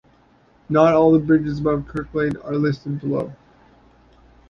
Not all of the bridges above Cricklade are listed below.